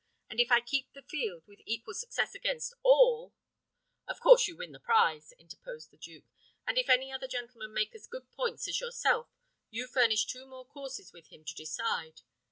And if I keep the field with equal success against all " "Of course you win the prize," interposed the duke. "And if any other gentleman make as good points as yourself, you furnish two more courses with him to decide.